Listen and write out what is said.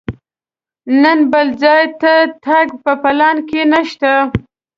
نن بل ځای ته تګ په پلان کې نه شته.